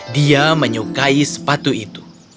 dia menyukai sepatu itu